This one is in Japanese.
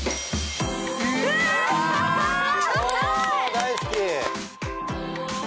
大好き。